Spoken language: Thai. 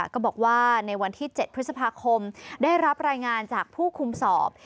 ก็บอกว่าในวันที่๗พฤษภาคมได้รับรายงานจากผู้คุมสอบ